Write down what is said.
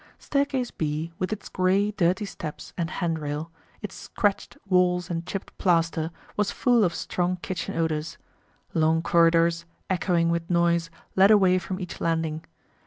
Staircase B, with its gray, dirty steps and hand rail, its scratched walls and chipped plaster, was full of strong kitchen odors. Long corridors, echoing with noise, led away from each landing.